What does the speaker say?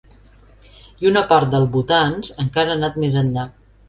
I una part del votants encara ha anat més enllà.